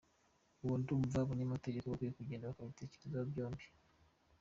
Ubwo ndumva abanyamategeko bakwiye kugenda babitekerezaho byombi.